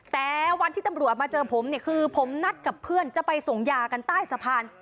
แต่วันที่ตำรวจมาเจอผมเนี่ยคือผมนัดกับเพื่อนจะไปส่งยากันใต้สะพาน